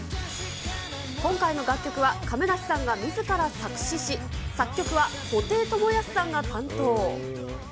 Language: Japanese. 今回の楽曲は、亀梨さんがみずから作詞し、作曲は布袋寅泰さんが担当。